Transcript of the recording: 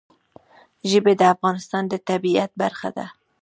ژبې د افغانستان د طبیعت برخه ده.